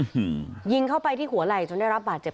ยิงเข้าไปที่หัวไหล่จนได้รับบาดเจ็บ